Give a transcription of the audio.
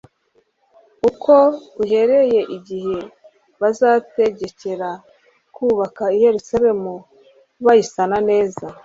ko uhereye igihe bazategekera kubaka i Yerusalemu bayisana neza